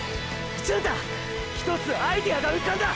⁉純太ひとつアイデアが浮かんだ！！